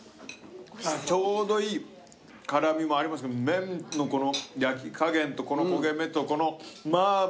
ちょうどいい辛味もありますけど麺のこの焼き加減とこの焦げ目とこのマーボーの。